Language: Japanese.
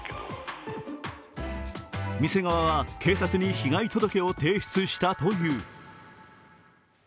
店側は警察に被害届を提出したという。